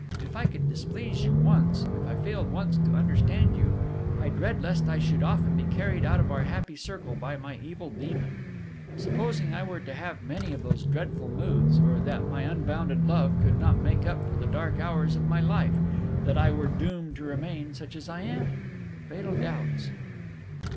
If I could displease you once, if I failed once to understand you, I dread lest I should often be carried out of our happy circle by my evil demon. Supposing I were to have many of those dreadful moods, or that my unbounded love could not make up for the dark hours of my life that I were doomed to remain such as I am? Fatal doubts!